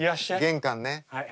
玄関ね。